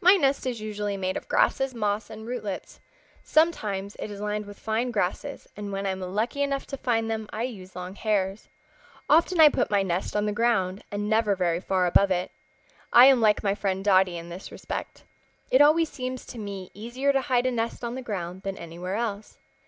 "My nest is usually made of grasses, moss and rootlets. Sometimes it is lined with fine grasses, and when I am lucky enough to find them I use long hairs. Often I put my nest on the ground, and never very far above it. I am like my friend Dotty in this respect. It always seems to me easier to hide a nest on the ground than anywhere else.